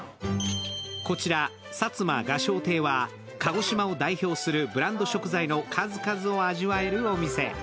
こちら、薩摩雅咲亭では鹿児島を代表するブランド食材の数々を味わえるお店。